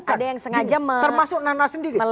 ada yang sengaja termasuk nana sendiri